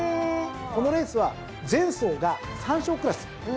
このレースは前走が３勝クラス。